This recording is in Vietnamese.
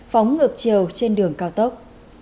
phóng ngược chiều trên đường cao tốc